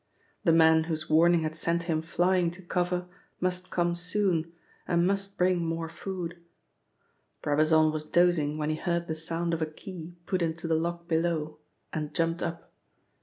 The man whose warning had sent him flying to cover must come soon, and must bring more food. Brabazon was dozing when he heard the sound of a key put into the lock below and jumped up.